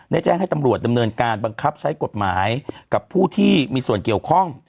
ได้แจ้งให้ตำรวจดำเนินการบังคับใช้กฎหมายกับผู้ที่มีส่วนเกี่ยวข้อง